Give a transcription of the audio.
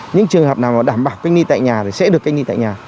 những trường hợp nào đảm bảo cách ly tại nhà thì sẽ được cách ly tại nhà